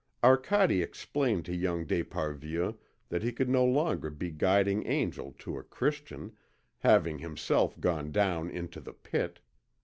Arcade explained to young d'Esparvieu that he could no longer be guiding angel to a Christian, having himself gone down into the pit.